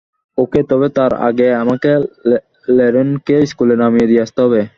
ওকে, তবে তার আগে আমাকে ল্যরেনকে স্কুলে নামিয়ে দিয়ে আসতে হবে।